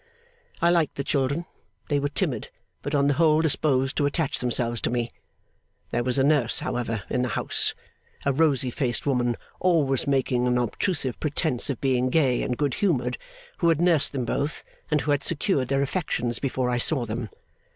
I liked the children. They were timid, but on the whole disposed to attach themselves to me. There was a nurse, however, in the house, a rosy faced woman always making an obtrusive pretence of being gay and good humoured, who had nursed them both, and who had secured their affections before I saw them.